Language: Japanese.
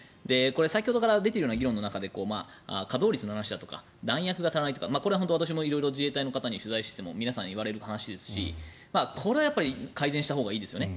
先ほどから出ている中で稼働率の話だとか弾薬が足らないとかこれは私も色々自衛隊の方に取材していても皆さん、言われる話ですしこれは改善したほうがいいですよね。